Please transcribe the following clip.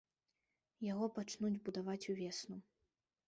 Яго пачнуць будаваць увесну.